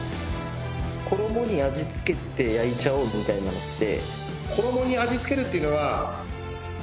「衣に味付けて焼いちゃおうみたいなのって」